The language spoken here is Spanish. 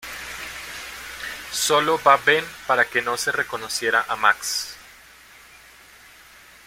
Solo va Ben para que no se reconociera a Max.